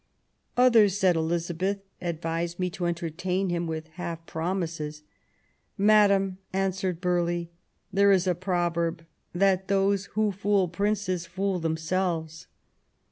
*'" Others," said Elizabeth, "advise me to entertain him with half promises." *' Madam," answered Burghley, there is a proverb that those who fool princes fool themselves."